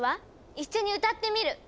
一緒に歌ってみる。